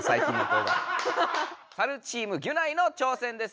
サルチームギュナイの挑戦です。